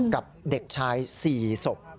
กับเด็กชาย๔ศพ